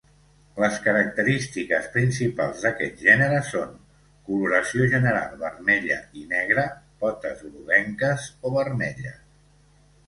Les característiques principals d'aquest gènere són: coloració general vermella i negra, potes groguenques o vermelles.